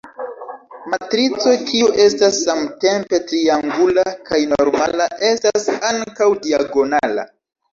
Matrico kiu estas samtempe triangula kaj normala, estas ankaŭ diagonala.